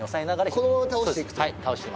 このまま倒していくって事？